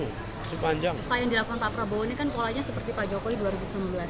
apa yang dilakukan pak prabowo ini kan polanya seperti pak jokowi dua ribu sembilan belas